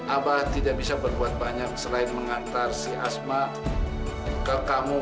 abah tidak bisa berbuat banyak selain mengantar si asma ke kamu